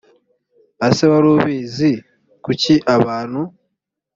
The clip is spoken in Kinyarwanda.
ese wari ubizi kuki abantu